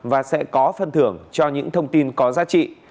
và sẽ có phân thưởng cho những thông tin có giá trị